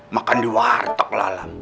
makan di warteg lalang